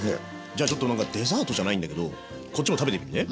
じゃあちょっとデザートじゃないんだけどこっちも食べてみるね。